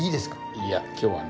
いや今日はね